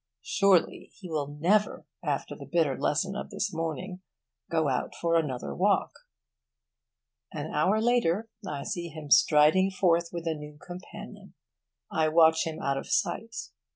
Surely he will never, after the bitter lesson of this morning, go out for another walk. An hour later, I see him striding forth, with a new companion. I watch him out of sight.